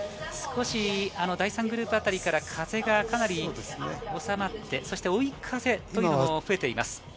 少し第３グループあたりから風がかなり収まって、追い風も増えています。